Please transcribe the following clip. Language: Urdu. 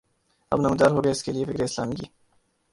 اب نمودار ہوگا اس کے لیے فکر اسلامی کی